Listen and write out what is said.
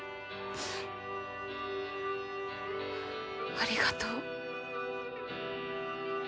ありがとう。